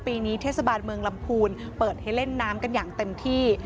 ปีนี้เทศบาลเมืองลำพูนเปิดให้เล่นน้ำกันอย่างเต็มที่